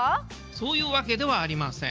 そういうわけではありません。